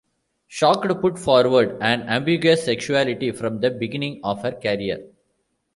Shocked put forward an ambiguous sexuality from the beginning of her career.